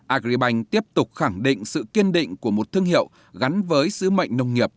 agribank tiếp tục khẳng định sự kiên định của một thương hiệu gắn với sứ mệnh nông nghiệp